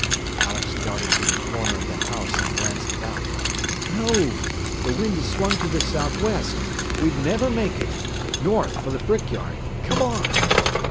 Alex darted to the corner of the house and glanced about. "No! The wind has swung to the southwest! We'd never make it! North, for the brick yard! Come on!